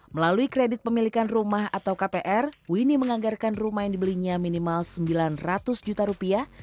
melalui kredit pemilikan rumah atau kpr winnie menganggarkan rumah yang dibelinya minimal sembilan ratus juta rupiah